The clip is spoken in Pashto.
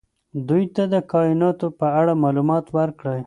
دوی ته د کائناتو په اړه معلومات ورکړئ.